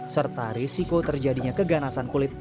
serta risiko terjadinya keganasan kulit